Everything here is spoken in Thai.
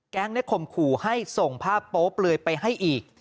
ได้ข่มขู่ให้ส่งภาพโป๊เปลือยไปให้อีก